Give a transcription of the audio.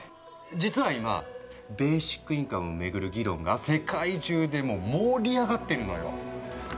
実は今ベーシックインカムをめぐる議論が世界中でも盛り上がってるのよ。